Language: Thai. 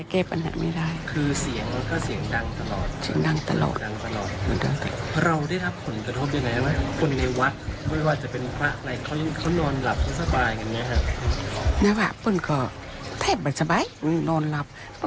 คิดว่าใครก็แก้ปัญหาไม่ได้